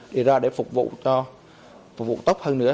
để ra để phục vụ cho tốt hơn